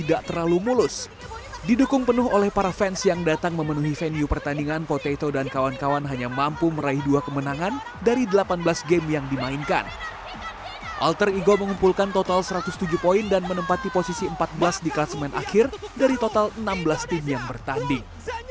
alter ego mengumpulkan total satu ratus tujuh poin dan menempati posisi empat belas di kelas main akhir dari total enam belas tim yang bertanding